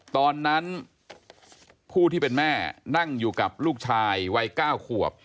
ตอนนั้นผู้ที่เป็นแม่นั่งอยู่กับลูกชายวัย๙ขวบ